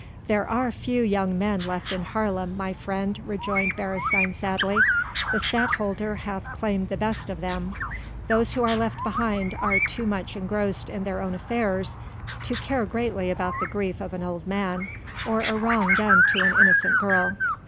"There are few young men left in Haarlem, my friend," rejoined Beresteyn sadly, "the Stadtholder hath claimed the best of them. Those who are left behind are too much engrossed in their own affairs to care greatly about the grief of an old man, or a wrong done to an innocent girl."